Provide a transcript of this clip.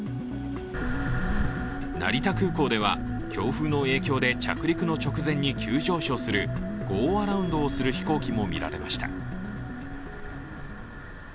成田空港では強風の影響で着陸の直前に急上昇するゴーアラウンドをする飛行機も見られました。